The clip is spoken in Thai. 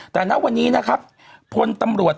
แต่ณวันนี้นะครับพลตำรวจ